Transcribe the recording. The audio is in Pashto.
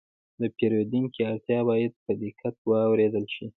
د پیرودونکي اړتیا باید په دقت واورېدل شي.